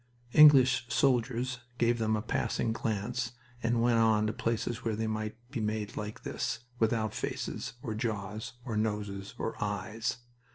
English soldiers gave them a passing glance, and went on to places where they might be made like this, without faces, or jaws, or noses, or eyes.